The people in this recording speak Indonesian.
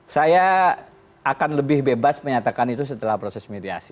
saya akan lebih bebas menyatakan itu setelah proses mediasi